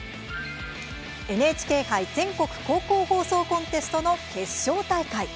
ＮＨＫ杯全国高校放送コンテストの決勝大会。